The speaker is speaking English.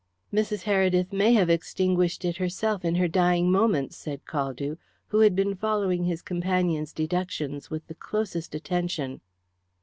"Mrs. Heredith may have extinguished it herself in her dying moments," said Caldew, who had been following his companion's deductions with the closest attention.